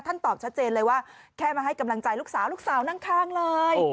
ตอบชัดเจนเลยว่าแค่มาให้กำลังใจลูกสาวลูกสาวนั่งข้างเลย